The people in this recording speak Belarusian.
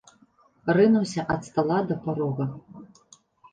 Рынуўся ад стала да парога.